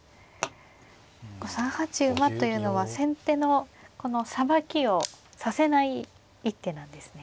３八馬というのは先手のこのさばきをさせない一手なんですね。